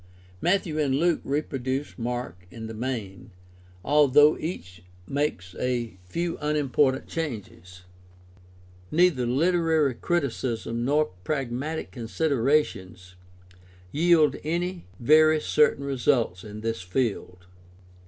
Matthew and Luke reproduce Mark in the main, although each makes a few unimportant changes. Neither Uterary criticism nor pragmatic considerations yield any very certain results in this field.